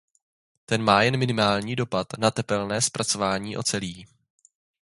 Ten má jen minimální dopad na tepelné zpracování ocelí.